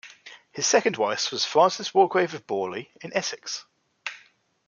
His second wife was Frances Walgrave of Boreley in Essex.